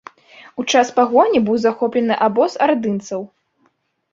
У час пагоні быў захоплены абоз ардынцаў.